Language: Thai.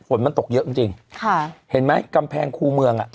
ฝนมันตกเยอะจริงจริงค่ะเห็นไหมกำแพงคู่เมืองอ่ะ